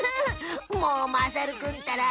もうまさるくんったら！